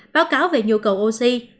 báo cáo về nhu cầu oxy